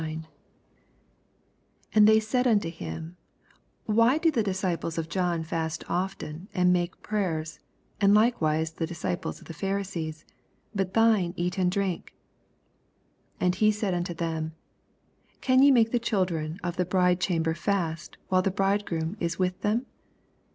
88 And they said unto him, Why do the disciples of John fast often, &nd make prayers, and likewise the dUeipUs of the Pharisees ; bat thine eat and drink ? 84 And he said unto them, Can ye make the children of the bridecham ber fast, while the bridegroom is with them?